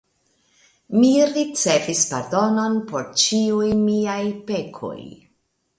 Mi ricevis pardonon por ĉiuj miaj pekoj!